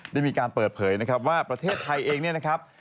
ได้มีการเปิดเผยนะครับว่าประเทศไทยเองเนี่ยนะครับ